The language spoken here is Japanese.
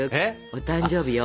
お誕生日よ？